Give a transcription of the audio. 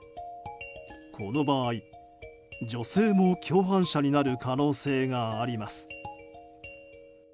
この場合、女性も共犯者になる可能性があります。